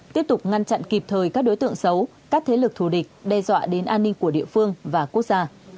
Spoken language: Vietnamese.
tiếp tục ngăn chặn kịp thời các đối tượng xấu các thế lực thù địch đe dọa đến an ninh của địa phương và quốc gia